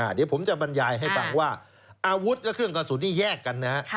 เดี๋ยวผมจะบรรยายให้ฟังว่าอาวุธและเครื่องกระสุนที่แยกกันนะฮะ